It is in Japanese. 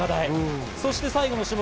そして、最後の種目。